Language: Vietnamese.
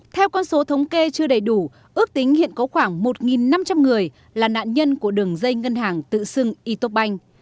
theo con số thống kê chưa đầy đủ ước tính hiện có khoảng một năm trăm linh người là nạn nhân của đường dây ngân hàng tự xưng itobank